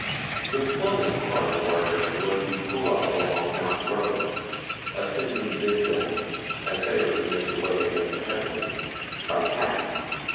The slowest part of our journey was the pull up the long mountain road, ascending zig zag, as sailors make way against a head wind, by tacking.